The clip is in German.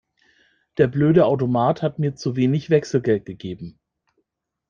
Der blöde Automat hat mir zu wenig Wechselgeld gegeben.